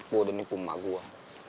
gue udah nipu emak gue